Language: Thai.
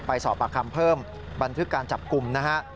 ไปสอบปากคำเพิ่มบันทึกการจับกลุ่มนะฮะ